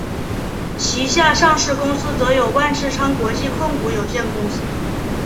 旗下上市公司则有万事昌国际控股有限公司。